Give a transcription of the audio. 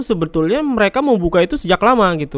sebetulnya mereka mau buka itu sejak lama gitu